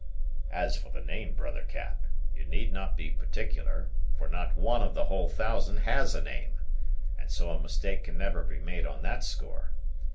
"As for the name, brother Cap, you need not be particular, for not one of the whole thousand has a name, and so a mistake can never be made on that score.